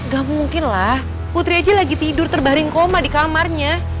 gak mungkin lah putri aja lagi tidur terbaring koma di kamarnya